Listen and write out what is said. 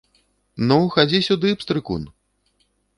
Ну, хадзі сюды, пстрыкун.